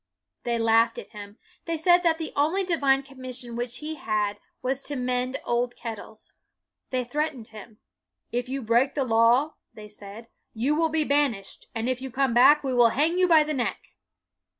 They laughed at him; they said that the only divine commission which he had was to mend old kettles. They threatened him. " If you break the law," they said, " you will be banished, and if you come back we will hang you by the neck.'